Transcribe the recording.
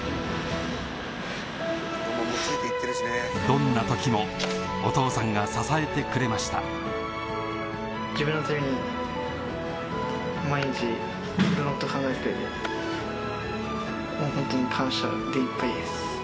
どんな時もお父さんが支えてくれましたホントに。